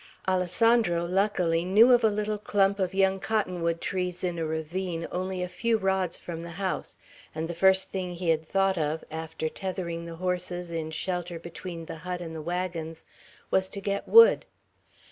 Alessandro, luckily, knew of a little clump of young cottonwood trees in a ravine, only a few rods from the house; and the first thing he had thought of, after tethering the horses in shelter between the hut and the wagons, was to get wood.